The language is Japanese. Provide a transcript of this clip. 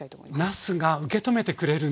なすが受け止めてくれるんですね。